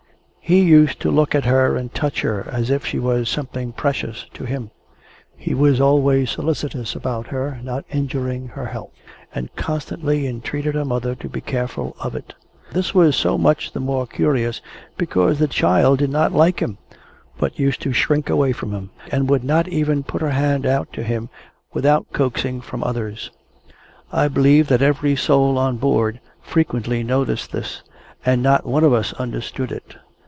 He used to look at her and touch her, as if she was something precious to him. He was always solicitous about her not injuring her health, and constantly entreated her mother to be careful of it. This was so much the more curious, because the child did not like him, but used to shrink away from him, and would not even put out her hand to him without coaxing from others. I believe that every soul on board frequently noticed this, and not one of us understood it.